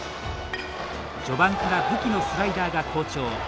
序盤から武器のスライダーが好調。